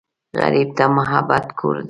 غریب ته محبت کور دی